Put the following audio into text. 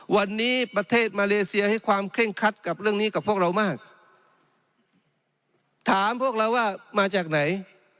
วันนี้ประเทศมาเลเซียให้ความเคร่งคัดกับเรื่องนี้กับพวกเรามากถามพวกเราว่ามาจากไหน